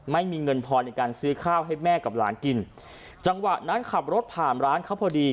ไม่มีเงินพอในการซื้อข้าวให้แม่กับหลานกินจังหวะนั้นขับรถผ่านร้านเขาพอดี